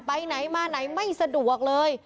ไปไหนมาไหนไม่สะดวกเลย